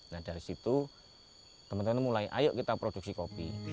nah dari situ teman teman mulai ayo kita produksi kopi